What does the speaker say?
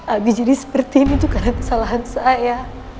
abis jadi seperti ini tuh karena kesalahan saya